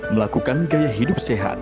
melakukan gaya hidup sehat